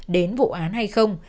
đến vụ án hay không